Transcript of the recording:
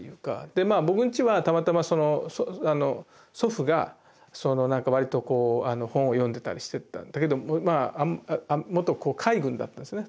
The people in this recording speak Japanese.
まあ僕んちはたまたま祖父がわりと本を読んでたりしてたんだけどまあ元海軍だったんですね。